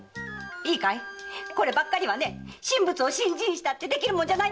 いいかいこればっかりは神仏を信心したってできるもんじゃないからね！